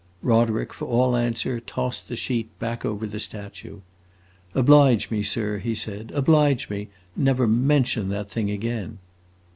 Roderick, for all answer, tossed the sheet back over the statue. "Oblige me, sir," he said, "oblige me! Never mention that thing again."